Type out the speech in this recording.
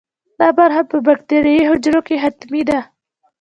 دا برخه په باکتریايي حجره کې حتمي ده.